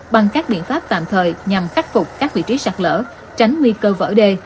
bằng các biện pháp tạm thời nhằm khắc phục các vị trí sạc lỡ tránh nguy cơ vỡ đê